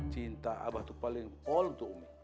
cinta abah itu paling all untuk umi